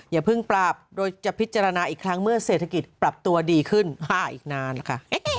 อย่าเพิ่งปราบโดยจะพิจารณาอีกครั้งเมื่อเศรษฐกิจปรับตัวดีขึ้น๕อีกนานนะคะ